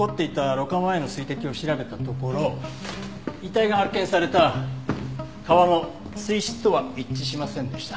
濾過前の水滴を調べたところ遺体が発見された川の水質とは一致しませんでした。